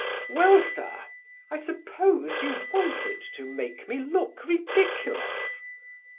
"Well, sir, I suppose you wanted to make me look ridiculous?"